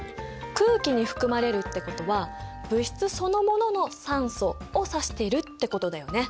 空気に含まれるってことは物質そのものの酸素を指しているってことだよね。